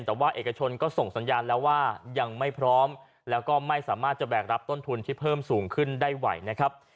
แต่ว่าเอกชนก็ส่งสัญญาณแล้วว่ายังไม่พร้อมแล้วก็ไม่สามารถจะแบกรับต้นทุนที่เพิ่มสูงขึ้นได้ไหวนะครับ